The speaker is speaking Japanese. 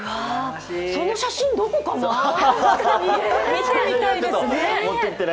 その写真どこかな？